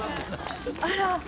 「あら」